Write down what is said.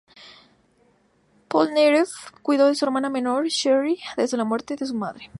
Polnareff cuidó de su hermana menor Sherry desde la muerte de su madre.